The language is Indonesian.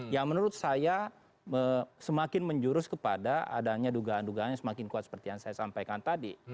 yang menurut saya semakin menjurus kepada adanya dugaan dugaan yang semakin kuat seperti yang saya sampaikan tadi